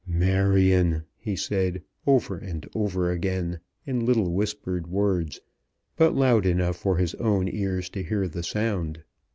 "Marion," he said, over and over again, in little whispered words, but loud enough for his own ears to hear the sound.